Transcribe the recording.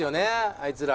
あいつら。